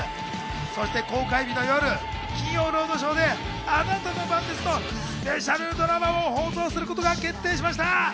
そして公開日の夜『金曜ロードショー』で『あなたの番です』のスペシャルドラマを放送することが決定しました。